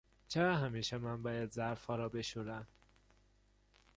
چرا همیشه من باید ظرفها را بشورم؟